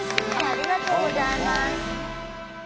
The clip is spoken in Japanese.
ありがとうございます。